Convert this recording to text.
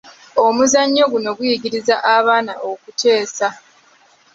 Omuzannyo guno guyigiriza abaana okuteesa.